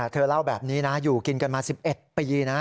เธอเล่าแบบนี้นะอยู่กินกันมา๑๑ปีนะ